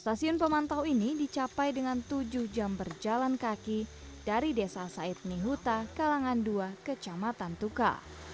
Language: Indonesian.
stasiun pemantau ini dicapai dengan tujuh jam berjalan kaki dari desa said nihuta kalangan dua kecamatan tuka